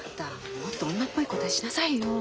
もっと女っぽい答えしなさいよ。